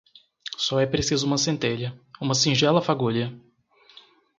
Só é preciso uma centelha, uma singela fagulha